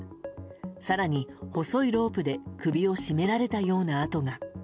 更に細いロープで首を絞められたような痕が。